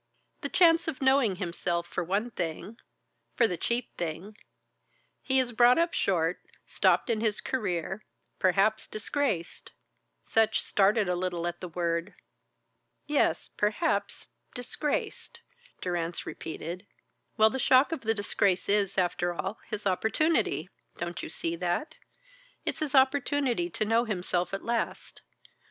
"The chance of knowing himself for one thing, for the chief thing. He is brought up short, stopped in his career, perhaps disgraced." Sutch started a little at the word. "Yes, perhaps disgraced," Durrance repeated. "Well, the shock of the disgrace is, after all, his opportunity. Don't you see that? It's his opportunity to know himself at last.